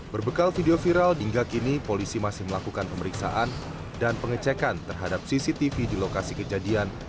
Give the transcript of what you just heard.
berbekal video viral hingga kini polisi masih melakukan pemeriksaan dan pengecekan terhadap cctv di lokasi kejadian